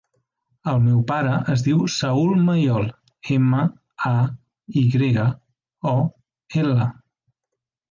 El meu pare es diu Saül Mayol: ema, a, i grega, o, ela.